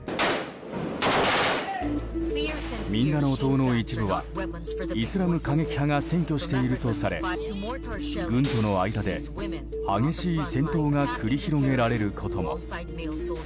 ミンダナオ島の一部はイスラム過激派が占拠しているとされ軍との間で激しい戦闘が繰り広げられることも。